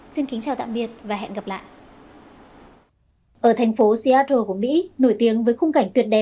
xin kính chào tạm biệt và hẹn gặp lại